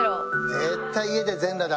絶対家で全裸だ